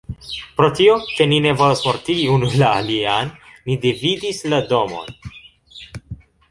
Pro tio, ke ni ne volas mortigi unu la alian, ni dividis la domon.